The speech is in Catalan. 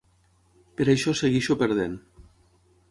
Per això segueixo perdent.